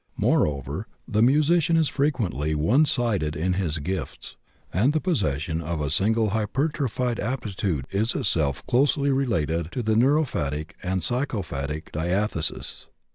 Moreover, the musician is frequently one sided in his gifts, and the possession of a single hypertrophied aptitude is itself closely related to the neuropathic and psychopathic diathesis.